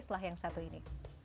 setelah yang satu ini